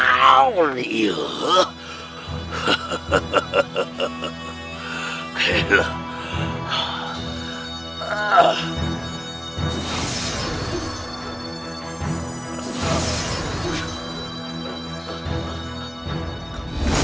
kau tidak bisa menang